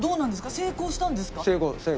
成功されたんですか。